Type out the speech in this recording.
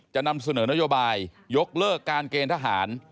จะนำเสนอนโยบายยกเลิกการเกณฑ์ทหาร